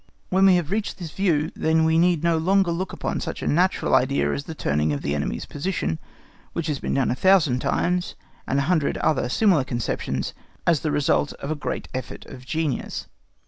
When we have reached this view, then we need no longer look upon such a natural idea as the turning an enemy's position, which has been done a thousand times, and a hundred other similar conceptions, as the result of a great effort of genius.